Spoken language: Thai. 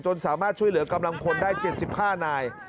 สามารถช่วยเหลือกำลังพลได้๗๕นาย